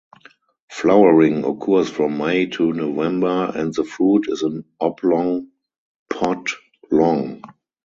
Flowering occurs from May to November and the fruit is an oblong pod long.